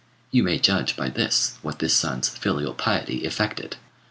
You may judge by this what this son's filial piety effected.